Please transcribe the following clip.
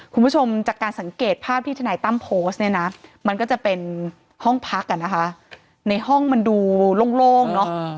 คุณผู้ชมจากการสังเกตภาพที่ทนายตั้มโพสต์เนี่ยนะมันก็จะเป็นห้องพักอ่ะนะคะในห้องมันดูโล่งเนอะ